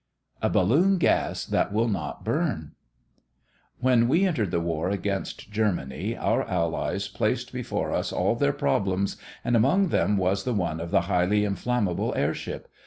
A BALLOON GAS THAT WILL NOT BURN When we entered the war against Germany, our allies placed before us all their problems and among them was this one of the highly inflammable airship.